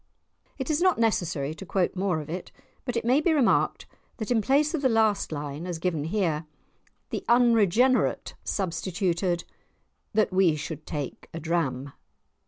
It is not necessary to quote more of it, but it may be remarked that in place of the last line as given here, the unregenerate substituted, "That we should take a dram."